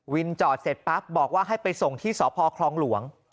จอดเสร็จปั๊บบอกว่าให้ไปส่งที่สพคลองหลวง